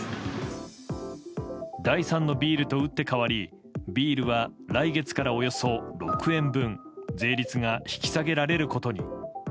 第三のビールと打って変わりビールは来月からおよそ６円分税率が引き下げられることに。